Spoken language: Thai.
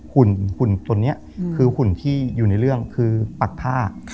หุ่นตัวนี้คือหุ่นที่อยู่ในเรื่องคือปักผ้า